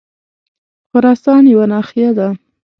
خراسان یوه ناحیه ده.